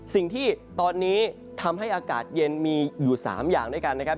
สิ่งที่ตอนนี้ทำให้อากาศเย็นมีอยู่๓อย่างด้วยกันนะครับ